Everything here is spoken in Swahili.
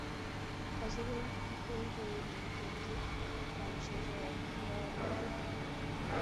Waziri Mkuu huyu ni mpenzi wa mchezo wa mpira wa miguu